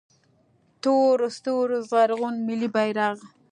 🇦🇫 تور سور زرغون ملي بیرغ